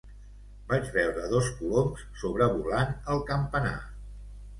Vaig veure dos coloms sobrevolant el campanar.